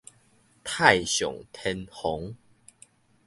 太上天皇